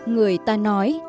người ta nói